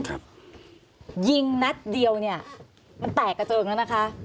ยิงนัดเดียวเนี่ยมันแตกกระเจิงแล้วนะคะ